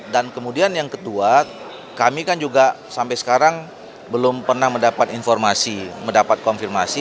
dan kemudian yang kedua kami kan juga sampai sekarang belum pernah mendapat informasi mendapat konfirmasi